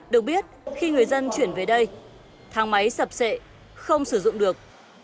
được biết khi người dân chuyển về đây thang máy sập sệ không sử dụng được